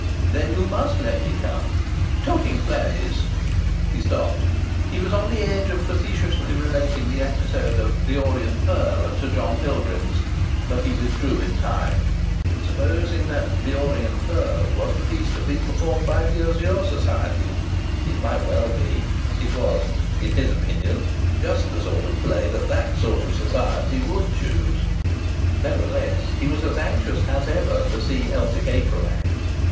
"Then you must let me come. Talking of plays " He stopped. He was on the edge of facetiously relating the episode of "The Orient Pearl" at Sir John Pilgrim's. But he withdrew in time. Suppose that "The Orient Pearl" was the piece to be performed by the Azure Society! It might well be! It was (in his opinion) just the sort of play that that sort of society would choose! Nevertheless he was as anxious as ever to see Elsie April act.